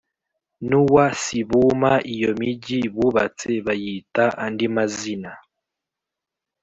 N uwa sibuma iyo migi bubatse bayita andi mazina